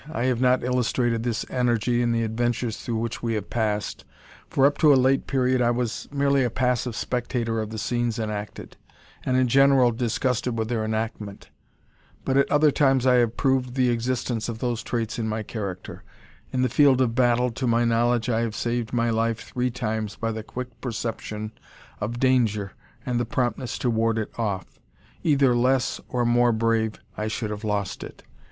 I have not illustrated this energy in the adventures through which we have passed; for, up to a late period, I was merely a passive spectator of the scenes enacted, and in general disgusted with their enactment. But at other times I have proved the existence of those traits in my character. In the field of battle, to my knowledge, I have saved my life three times by the quick perception of danger and the promptness to ward it off. Either less or more brave, I should have lost it.